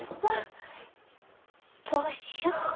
はぁどうしよう。